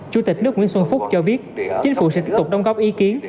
chủ tịch nước nguyễn xuân phúc cho biết chính phủ sẽ tiếp tục đóng góp ý kiến